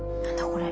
これ。